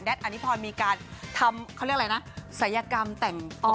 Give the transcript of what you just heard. แนนทอานิพรมีการทำ